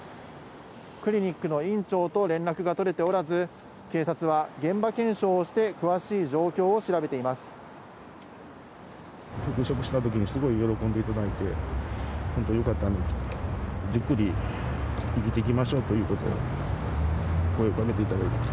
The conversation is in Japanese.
クリニックの院長と連絡が取れておらず、警察は、現場検証をして詳しい状況を調べています。